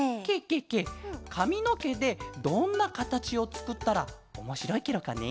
ケケケかみのけでどんなかたちをつくったらおもしろいケロかね？